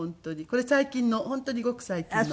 これ最近の本当にごく最近の。